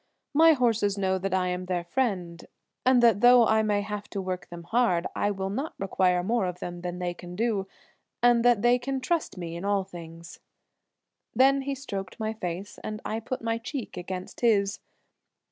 My horses know that I am their friend, and that, though I may have to work them hard, I will not require more of them than they can do, and that they can trust me in all things." Then he stroked my face, and I put my cheek against his.